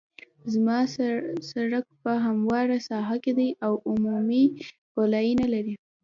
زما سرک په همواره ساحه کې دی او عمودي ګولایي نلري